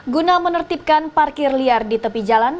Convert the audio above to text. guna menertibkan parkir liar di tepi jalan